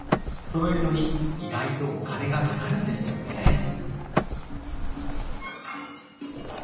そろえるのに意外とお金がかかるんですよねえ。